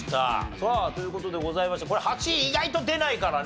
さあという事でございましてこれ８位意外と出ないからね。